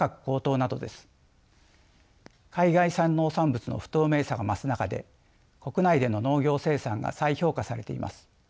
海外産農産物の不透明さが増す中で国内での農業生産が再評価されています。